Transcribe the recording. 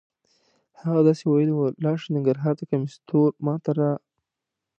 هغه داسې ویلې وه: لاړ شه ننګرهار ته کمیس تور ما ته.